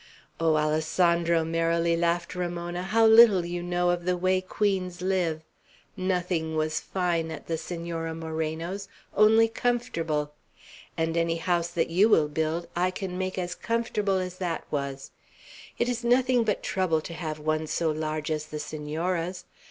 "Oh, Alessandro," merrily laughed Ramona, "how little you know of the way queens live! Nothing was fine at the Senora Moreno's, only comfortable; and any house you will build, I can make as comfortable as that was; it is nothing but trouble to have one so large as the Senora's.